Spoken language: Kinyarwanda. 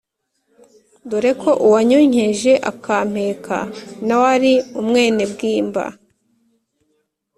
Dore ko uwanyonkeje akampeka nawe ari umwenebwimba